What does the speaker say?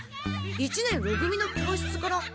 一年ろ組の教室から。